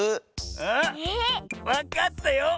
あわかったよ。